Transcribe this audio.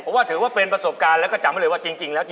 เพราะว่าเถอะแหว่นประสบการณ์และจำไม่เลยว่าจริงแล้ว